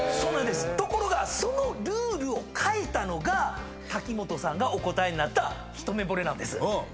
ところがそのルールをかえたのが瀧本さんがお答えになったひとめぼれなんです。